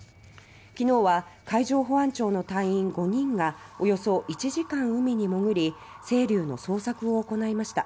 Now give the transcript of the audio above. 昨日は海上保安庁の隊員５人がおよそ１時間海に潜り「せいりゅう」の捜索を行いました。